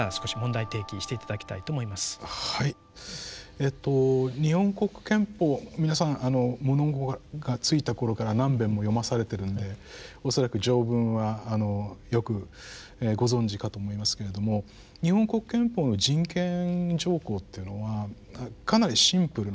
えっと日本国憲法皆さん物心が付いたころから何べんも読まされてるんで恐らく条文はよくご存じかと思いますけれども日本国憲法の人権条項っていうのはかなりシンプルなんですね。